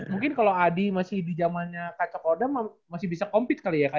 mungkin kalau adi masih di zamannya kaca kodam masih bisa compete kali ya